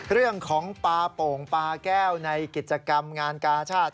เรื่องของปลาโป่งปลาแก้วในกิจกรรมงานกาชาติ